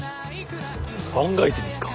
考えてみっか。